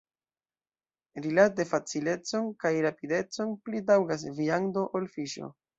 Rilate facilecon kaj rapidecon pli taŭgas viando ol fiŝo.